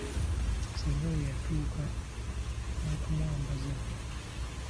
Ssenga we yatuuka n'okumwambaza!